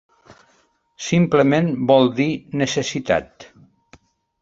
Simplement vol dir necessitat.